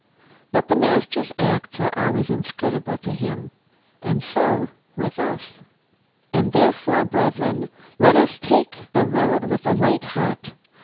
But the master's acts are always inscrutable to him. And so with us. "And therefore, brethren, let us take the road with a light heart.